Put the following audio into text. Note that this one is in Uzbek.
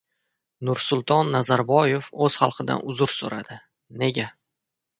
Nursulton Nazarboyev o‘z xalqidan uzr so‘radi. Nega?